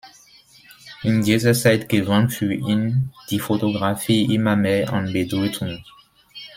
In dieser Zeit gewann für ihn die Fotografie immer mehr an Bedeutung.